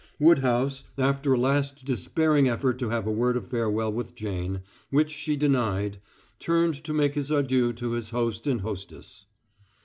Woodhouse, after a last despairing effort to have a word of farewell with Jane, which she denied, turned to make his adieu to his host and hostess.